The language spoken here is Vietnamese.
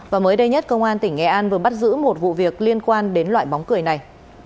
và mới đây nhất công an tỉnh nghệ an vừa bắt giữ một vụ việc liên quan đến loại bóng cười này